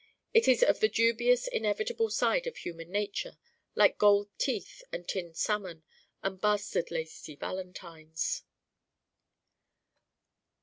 It is of the dubious inevitable side of human nature like gold teeth and tinned salmon and bastard lacy valentines.